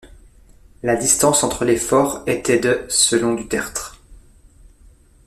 La distance entre les forts était de selon Du Tertre.